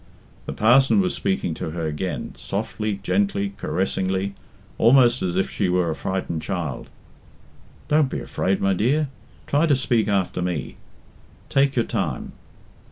The parson was speaking to her again, softly, gently, caressingly, almost as if she were a frightened child. "Don't be afraid, my dear! try to speak after me. Take your time."